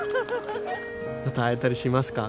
また会えたりしますか？